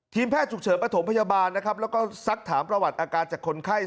แพทย์ฉุกเฉินประถมพยาบาลนะครับแล้วก็ซักถามประวัติอาการจากคนไข้